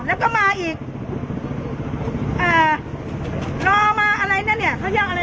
แล้วก็มาอีกอ่ารอมาอะไรนะเนี้ยเขาบินอันนี้